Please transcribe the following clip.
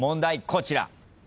こちら。